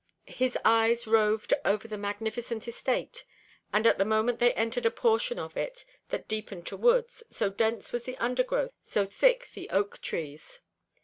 His eyes roved over the magnificent estate and at the moment they entered a portion of it that deepened to woods, so dense was the undergrowth, so thick the oak trees.